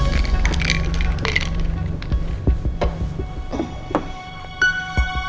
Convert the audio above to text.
tidak ada yang baik